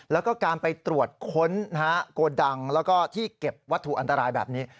แล้วก็การไปตรวจค้นโกดังแล้วก็ที่เก็บวัตถุอันตรายแบบนี้